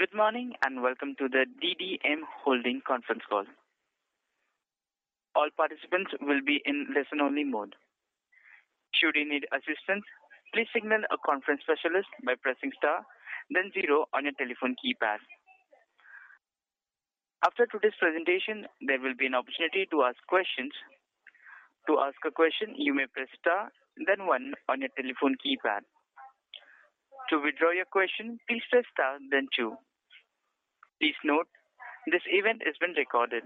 Good morning, and welcome to the DDM Holding conference call. All participants will be in listen only mode. Should you need assistance, please signal a conference specialist by pressing star then zero on your telephone keypad. After today's presentation, there will be an opportunity to ask questions. To ask a question, you may press star then one on your telephone keypad. To withdraw your question, please press star then two. Please note this event is being recorded.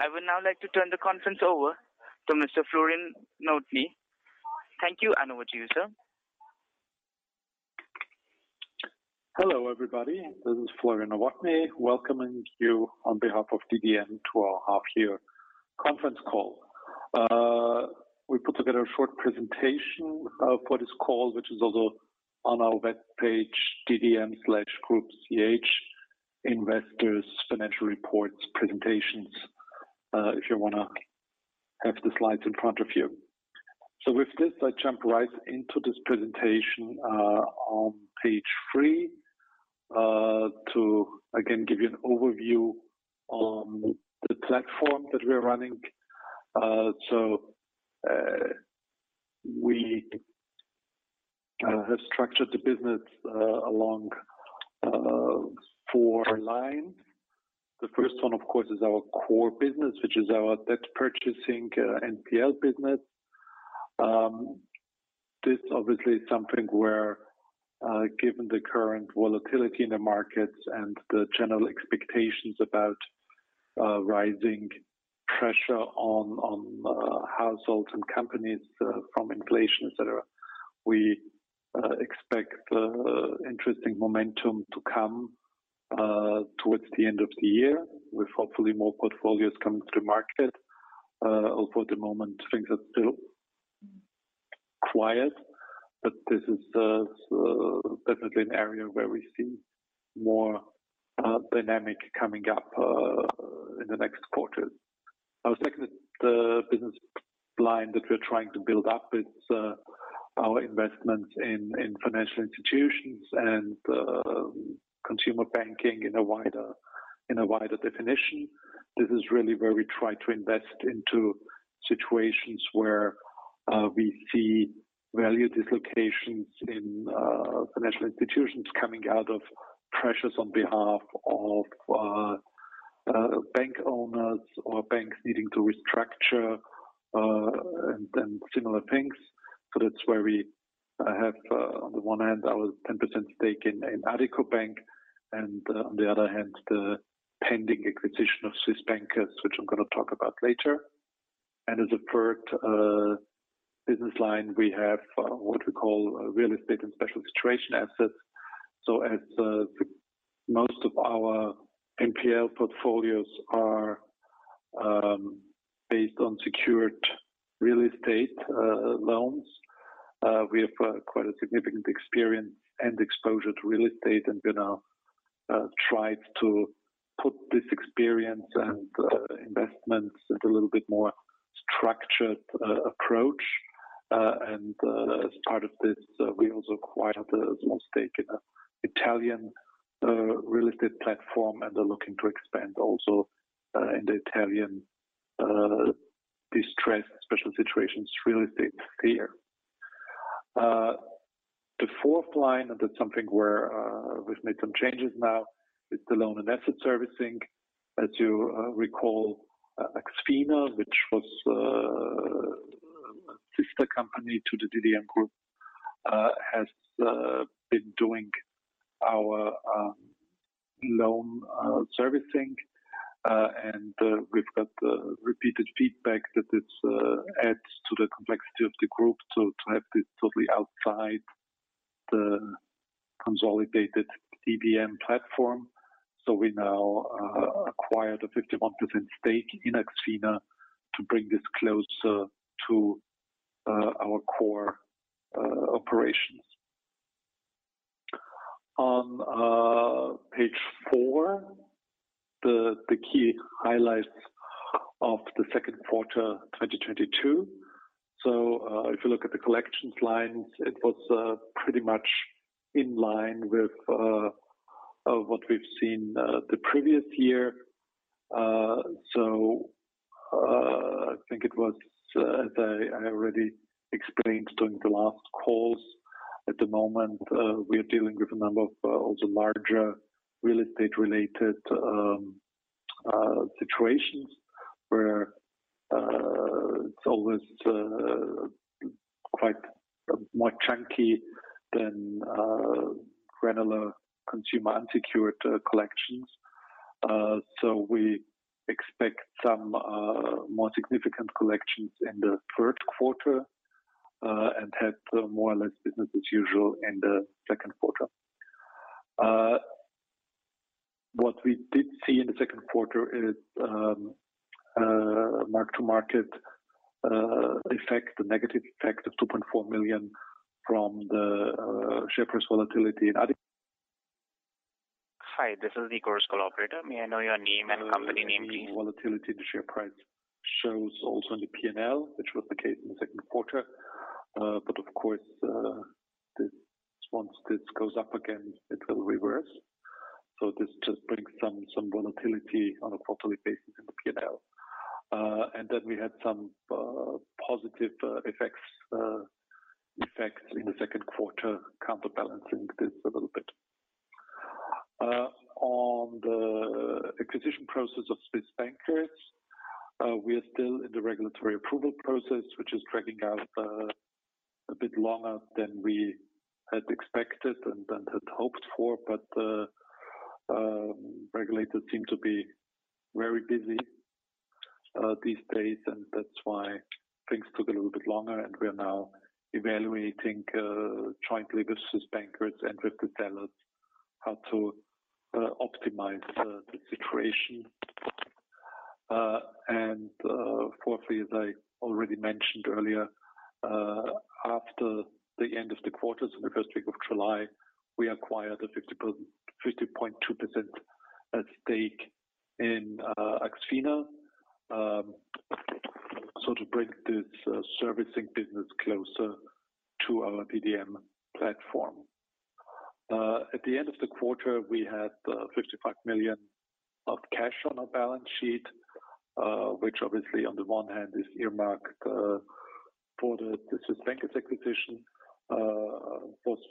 I would now like to turn the conference over to Mr. Florian Nowotny. Thank you and over to you, sir. Hello, everybody. This is Florian Nowotny welcoming you on behalf of DDM to our half year conference call. We put together a short presentation of today's call, which is also on our webpage, ddm-group.ch, investors, financial reports, presentations, if you wanna have the slides in front of you. With this, I jump right into this presentation, on page three, to again give you an overview on the platform that we are running. We have structured the business along four lines. The first one, of course, is our core business, which is our debt purchasing NPL business. This obviously is something where, given the current volatility in the markets and the general expectations about rising pressure on households and companies from inflation, et cetera, we expect interesting momentum to come towards the end of the year with hopefully more portfolios coming to market. For the moment, things are still quiet, but this is definitely an area where we see more dynamic coming up in the next quarter. Our second business line that we're trying to build up is our investments in financial institutions and consumer banking in a wider definition. This is really where we try to invest into situations where we see value dislocations in financial institutions coming out of pressures on behalf of bank owners or banks needing to restructure and then similar things. That's where we have on the one hand our 10% stake in Addiko Bank, and on the other hand, the pending acquisition of Swiss Bankers, which I'm gonna talk about later. As a third business line we have what we call real estate and special situation assets. As the most of our NPL portfolios are based on secured real estate loans, we have quite a significant experience and exposure to real estate and gonna try to put this experience and investments into a little bit more structured approach. As part of this, we also acquired a small stake in an Italian real estate platform, and are looking to expand also in the Italian distressed special situations real estate sphere. The fourth line, that's something where we've made some changes now, is the loan and asset servicing. As you recall, AxFina, which was a sister company to the DDM Group, has been doing our loan servicing. We've got repeated feedback that this adds to the complexity of the group to have this totally outside the consolidated DDM platform. We now acquired a 51% stake in AxFina to bring this closer to our core operations. On page four, the key highlights of the second quarter 2022. If you look at the collections lines, it was pretty much in line with what we've seen the previous year. I think it was, as I already explained during the last calls, at the moment we are dealing with a number of also larger real estate-related situations where it's always quite more chunky than granular consumer unsecured collections. We expect some more significant collections in the third quarter and have more or less business as usual in the second quarter. What we did see in the second quarter is mark-to-market effect, a negative effect of 2.4 million from the share price volatility in Addiko. Hi, this is the Chorus Call operator. May I know your name and company name, please? Any volatility in the share price shows also in the P&L, which was the case in the second quarter. Of course, once this goes up again, it will reverse. This just brings some volatility on a quarterly basis in the P&L. We had some positive effects in the second quarter, counterbalancing this a little bit. On the acquisition process of Swiss Bankers, we are still in the regulatory approval process, which is dragging out a bit longer than we had expected and had hoped for. Regulators seem to be very busy these days, and that's why things took a little bit longer. We are now evaluating jointly with Swiss Bankers and with the sellers how to optimize the situation. Fourthly, as I already mentioned earlier, after the end of the quarter, so in the first week of July, we acquired a 50.2% stake in AxFina, so to bring this servicing business closer to our DDM platform. At the end of the quarter, we had [55 million] of cash on our balance sheet, which obviously on the one hand is earmarked for the Swiss Bankers acquisition. Most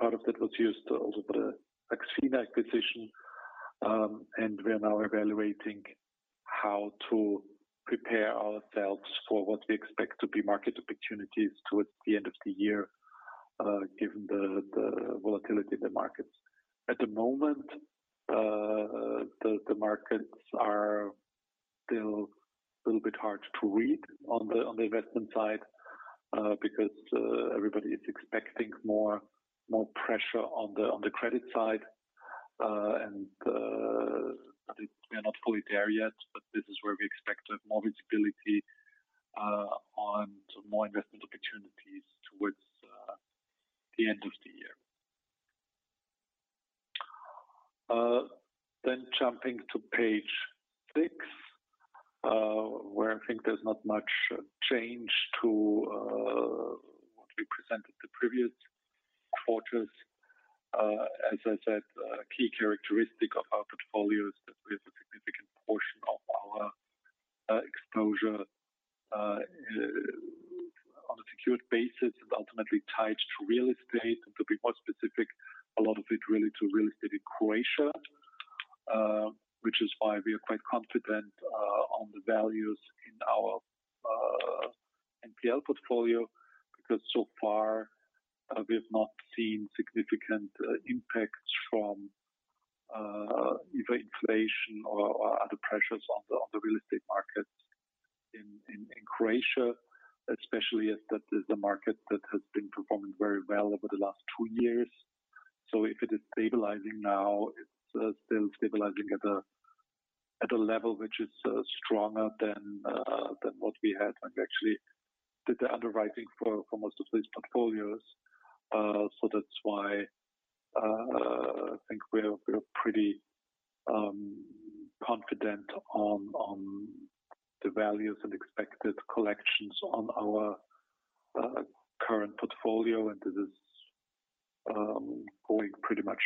part of it was used also for the AxFina acquisition, and we are now evaluating how to prepare ourselves for what we expect to be market opportunities towards the end of the year, given the volatility in the markets. At the moment, the markets are still a little bit hard to read on the investment side, because everybody is expecting more pressure on the credit side. I think we are not fully there yet, but this is where we expect to have more visibility on some more investment opportunities towards the end of the year. Jumping to page six, where I think there's not much change to what we presented the previous quarters. As I said, a key characteristic of our portfolio is that we have a significant portion of our exposure on a secured basis and ultimately tied to real estate. To be more specific, a lot of it really to real estate in Croatia, which is why we are quite confident on the values in our NPL portfolio, because so far we have not seen significant impacts from either inflation or other pressures on the real estate market in Croatia especially, as that is a market that has been performing very well over the last two years. If it is stabilizing now, it's still stabilizing at a level which is stronger than what we had when we actually did the underwriting for most of these portfolios. That's why I think we're pretty confident on the values and expected collections on our current portfolio, and this is going pretty much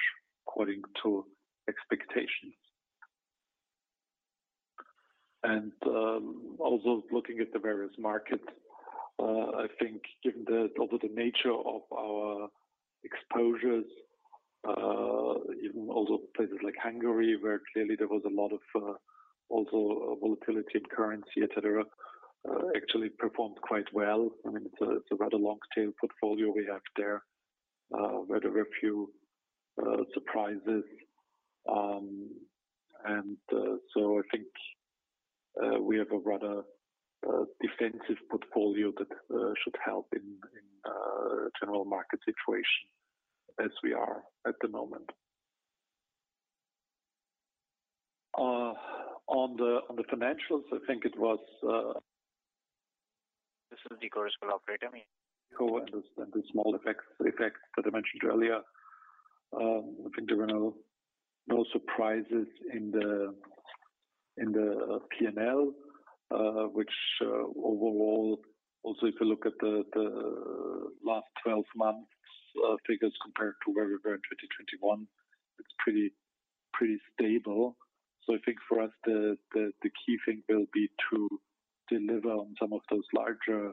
according to expectations. Also looking at the various markets, I think, although the nature of our exposures, even in places like Hungary, where clearly there was a lot of also volatility in currency, et cetera, actually performed quite well. I mean, it's a rather long tail portfolio we have there, very few surprises. I think we have a rather defensive portfolio that should help in general market situation as we are at the moment. On the financials, I think it was... This is the Chorus Call operator. Over and the small effects that I mentioned earlier. I think there were no surprises in the P&L, which overall also, if you look at the last 12 months figures compared to where we were in 2021, it's pretty stable. I think for us, the key thing will be to deliver on some of those larger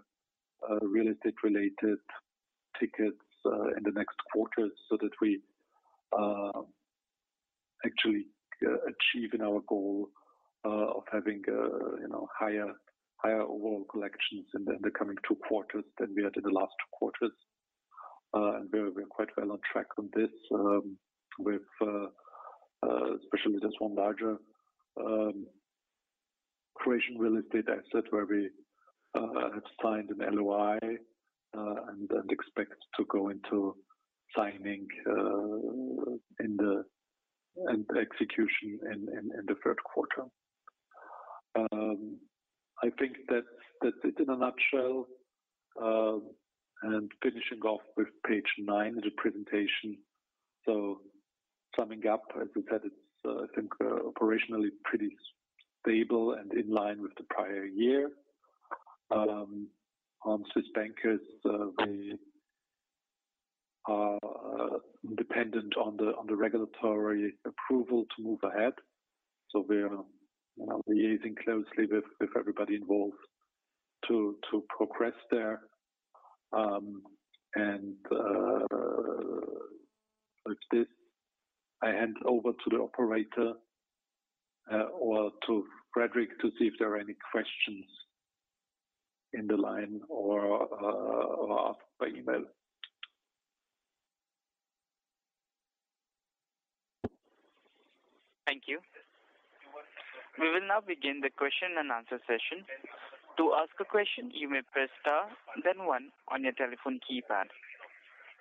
real estate-related tickets in the next quarters so that we actually achieving our goal of having, you know, higher overall collections in the coming two quarters than we had in the last two quarters. We're quite well on track on this, especially this one larger Croatian real estate asset where we have signed an LOI and expect to go into signing and execution in the third quarter. I think that, in a nutshell, and finishing off with page nine of the presentation. Summing up, as we said, it's, I think, operationally pretty stable and in line with the prior year. On Swiss Bankers, we are dependent on the regulatory approval to move ahead. We are, you know, liaising closely with everybody involved to progress there. With this, I hand over to the operator or to Fredrik to see if there are any questions in the line or by email. Thank you. We will now begin the question and answer session. To ask a question, you may press star then one on your telephone keypad.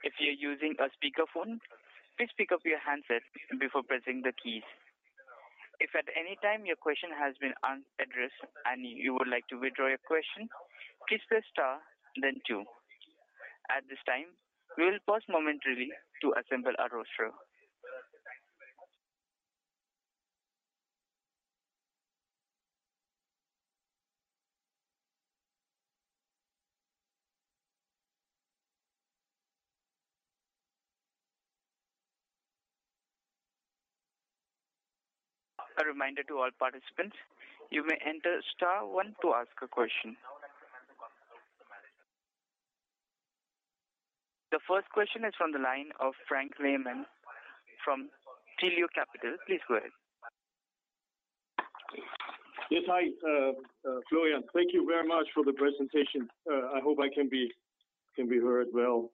If you're using a speakerphone, please pick up your handset before pressing the keys. If at any time your question has been unaddressed and you would like to withdraw your question, please press star then two. At this time, we will pause momentarily to assemble our roster. A reminder to all participants, you may enter star one to ask a question. The first question is from the line of Frank Lehmann from Thelo Kapital. Please go ahead. Yes. Hi, Florian. Thank you very much for the presentation. I hope I can be heard well.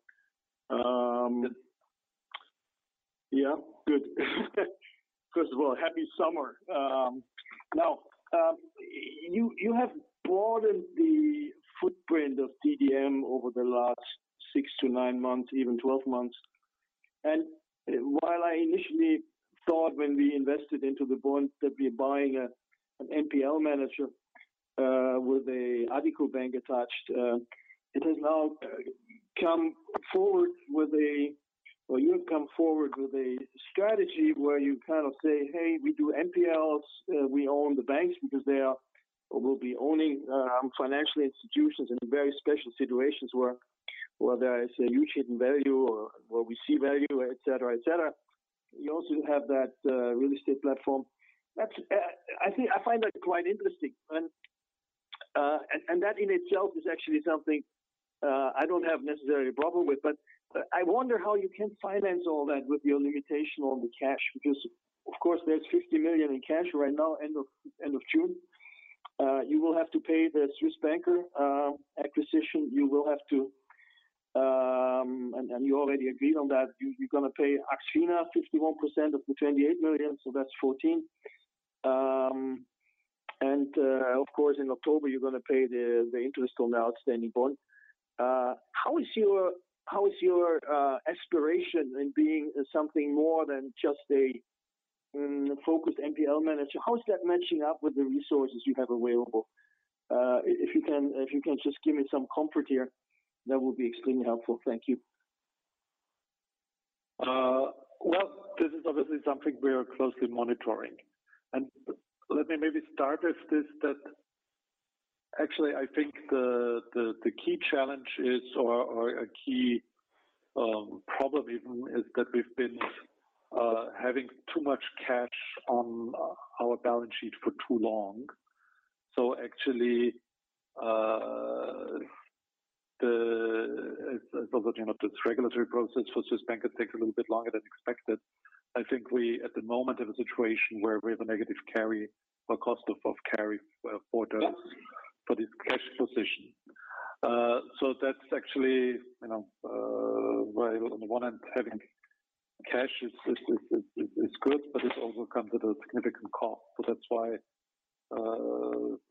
Yeah, good. First of all, happy summer. You have broadened the footprint of DDM over the last six to nine months, even 12 months. While I initially thought when we invested into the bond that we're buying an NPL manager with an Addiko Bank attached, you've come forward with a strategy where you kind of say, "Hey, we do NPLs. We'll be owning financial institutions in very special situations where there is a huge hidden value or where we see value," et cetera, et cetera. You also have that real estate platform. That's, I think I find that quite interesting. That in itself is actually something I don't have necessarily a problem with. I wonder how you can finance all that with your limitation on the cash, because of course, there's 50 million in cash right now, end of June. You will have to pay the Swiss Bankers acquisition. You already agreed on that. You're gonna pay AxFina 51% of the 28 million, so that's 14 million. Of course, in October you're gonna pay the interest on the outstanding bond. How is your aspiration in being something more than just a focused NPL manager? How is that matching up with the resources you have available? If you can just give me some comfort here, that would be extremely helpful. Thank you. Well, this is obviously something we are closely monitoring. Let me maybe start with this, that actually I think the key challenge is or a key problem even is that we've been having too much cash on our balance sheet for too long. Actually, as obviously, you know, the regulatory process for Swiss bank could take a little bit longer than expected. I think we at the moment have a situation where we have a negative carry or cost of carry for this cash position. That's actually, you know, where on the one hand, having cash is good, but it also comes at a significant cost. That's why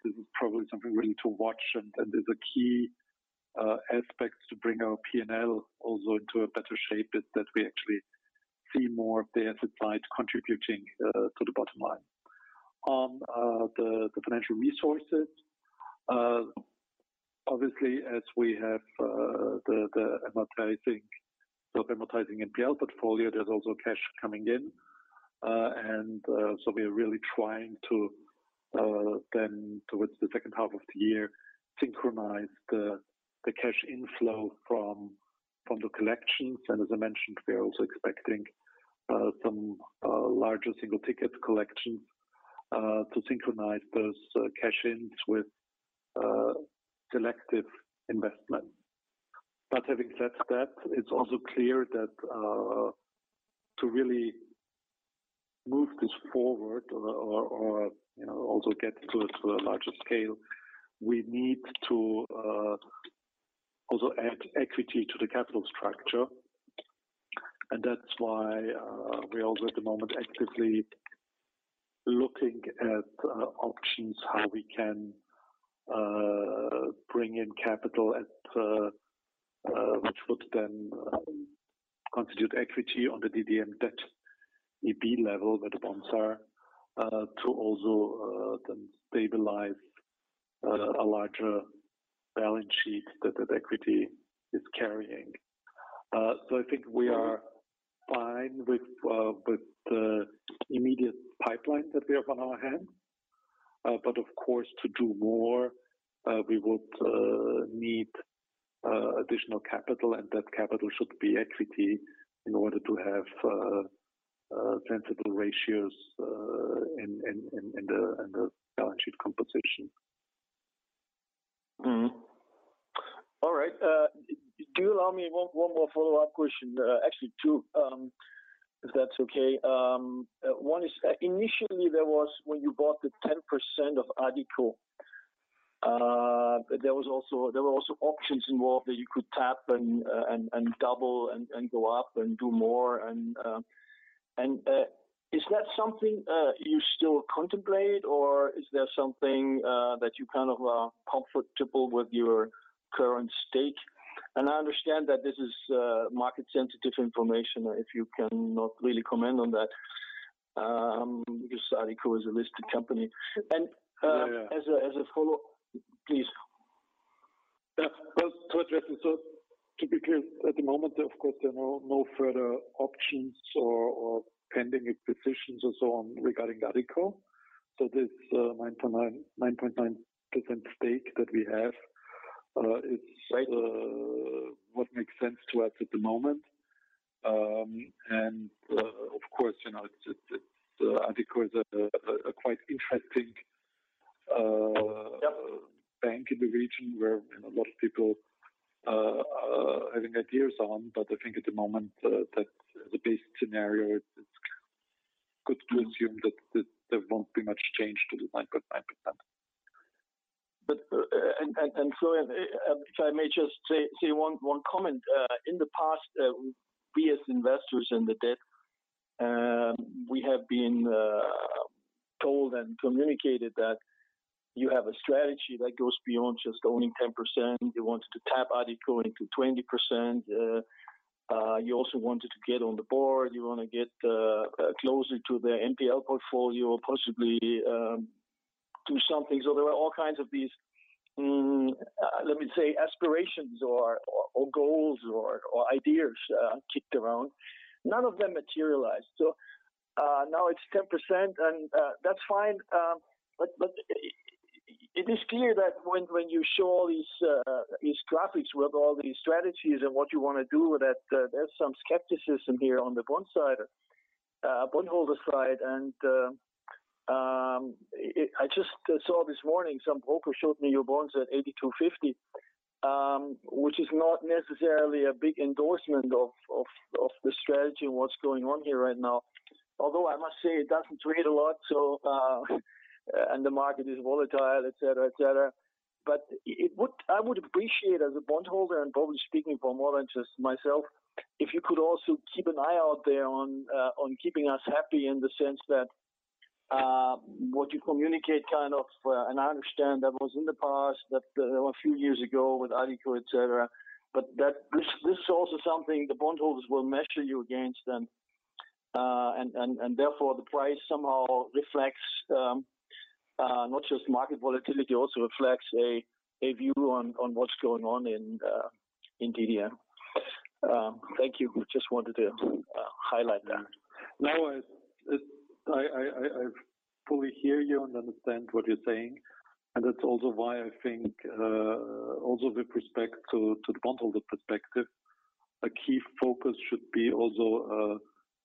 this is probably something really to watch. There's a key aspect to bring our P&L also into a better shape is that we actually see more of the asset side contributing to the bottom line. The financial resources, obviously, as we have, the amortizing NPL portfolio, there's also cash coming in. We are really trying to then towards the second half of the year, synchronize the cash inflow from the collections. As I mentioned, we are also expecting some larger single-ticket collections to synchronize those cash-ins with selective investment. Having said that, it's also clear that to really move this forward or you know also get to a larger scale, we need to also add equity to the capital structure. That's why we also at the moment actively looking at options how we can bring in capital, which would then constitute equity on the DDM Debt AB level where the bonds are to also then stabilize a larger balance sheet that equity is carrying. I think we are fine with the immediate pipeline that we have on our hands. Of course, to do more, we would need additional capital, and that capital should be equity in order to have sensible ratios in the balance sheet composition. All right. Do allow me one more follow-up question. Actually two, if that's okay. One is, initially there was when you bought the 10% of Addiko, there were also options involved that you could tap and double and go up and do more. Is that something you still contemplate or is there something that you kind of are comfortable with your current stake? I understand that this is market-sensitive information, if you cannot really comment on that, because Addiko is a listed company. Yeah, yeah. As a follow-up. Please. Well, as I said, typically at the moment, of course, there are no further options or pending acquisitions or so on regarding Addiko. This 9.9% stake that we have is- Right. What makes sense to us at the moment. Of course, you know, it's Addiko is a quite interesting. Yep. Bank in the region where, you know, a lot of people are having ideas on. I think at the moment that the base scenario it's good to assume that there won't be much change to the 9.9%. If I may just say one comment. In the past, we as investors in the debt, we have been told and communicated that you have a strategy that goes beyond just owning 10%. You wanted to take Addiko to 20%. You also wanted to get on the board. You wanna get closer to their NPL portfolio, possibly do something. There were all kinds of these, let me say, aspirations or goals or ideas kicked around. None of them materialized. Now it's 10% and that's fine. It is clear that when you show all these graphics with all these strategies and what you wanna do, there's some skepticism here on the bond side, bondholder side. I just saw this morning, some broker showed me your bonds at 82.50, which is not necessarily a big endorsement of the strategy and what's going on here right now. Although I must say it doesn't trade a lot, so, and the market is volatile, et cetera, et cetera. I would appreciate as a bondholder and probably speaking for more than just myself, if you could also keep an eye out there on keeping us happy in the sense that what you communicate kind of, and I understand that was in the past, that a few years ago with Addiko, et cetera. This is also something the bondholders will measure you against and therefore the price somehow reflects not just market volatility, also reflects a view on what's going on in DDM. Thank you. Just wanted to highlight that. No, I fully hear you and understand what you're saying, and that's also why I think also with respect to the bondholder perspective, a key focus should be also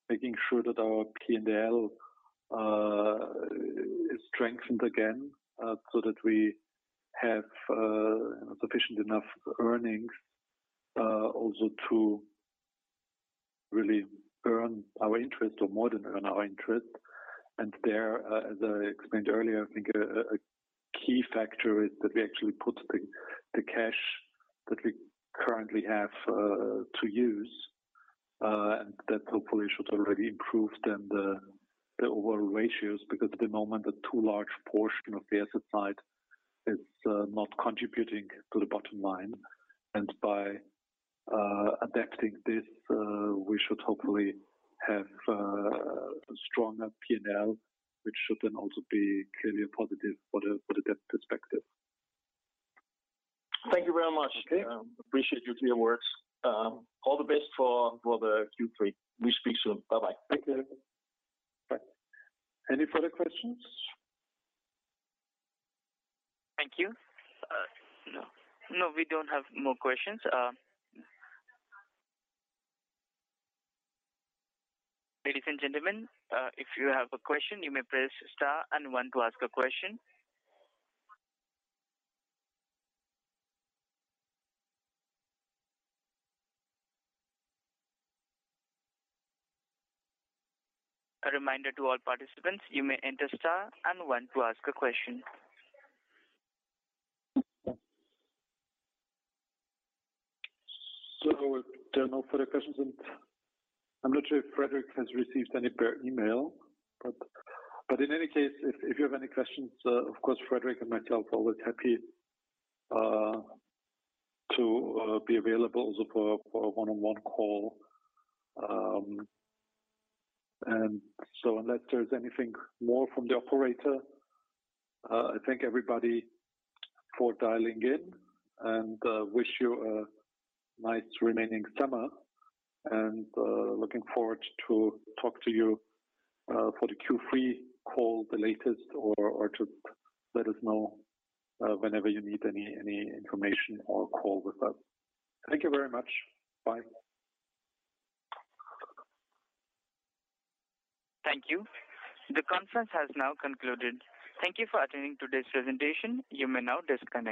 making sure that our P&L is strengthened again, so that we have sufficient enough earnings also to really earn our interest or more than earn our interest. There, as I explained earlier, I think a key factor is that we actually put the cash that we currently have to use. That hopefully should already improve then the overall ratios, because at the moment the too large portion of the asset side is not contributing to the bottom line. By adapting this, we should hopefully have a stronger P&L, which should then also be clearly a positive for the debt perspective. Thank you very much. Okay. Appreciate your clear words. All the best for the Q3. We speak soon. Bye-bye. Thank you. Bye. Any further questions? Thank you. No. No, we don't have more questions. Ladies and gentlemen, if you have a question, you may press star and one to ask a question. A reminder to all participants, you may enter star and one to ask a question. There are no further questions, and I'm not sure if Fredrik has received any via email. But in any case, if you have any questions, of course, Fredrik and myself are always happy to be available also for a one-on-one call. Unless there's anything more from the operator, I thank everybody for dialing in and wish you a nice remaining summer, and looking forward to talk to you for the Q3 call the latest or to let us know whenever you need any information or call with us. Thank you very much. Bye. Thank you. The conference has now concluded. Thank you for attending today's presentation. You may now disconnect.